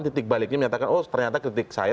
titik baliknya menyatakan oh ternyata kritik saya